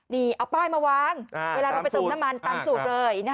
นี่เอาป้ายมาวางเวลาเราไปเติมน้ำมันตามสูตรเลย